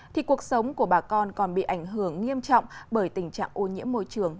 thì cuộc sống của bà con còn bị ảnh hưởng nghiêm trọng bởi tình trạng ô nhiễm môi trường